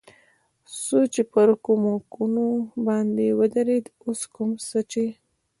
څو چې پر کومکونو باندې ودرېد، اوس کوم څه چې.